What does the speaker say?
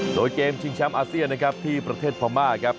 โดยเกมชิงแชมป์อาเซียนนะครับที่ประเทศพม่าครับ